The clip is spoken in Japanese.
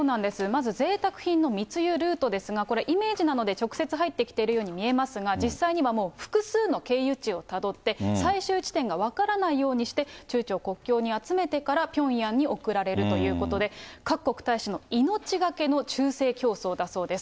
まずぜいたく品の密輸ルートですが、これイメージなので、直接入ってきてるように見えますが、実際にはもう複数の経由地をたどって、最終地点が分からないようにして、中朝国境に集めてからピョンヤンに送られるということで、各国大使の命懸けの忠誠競争だそうです。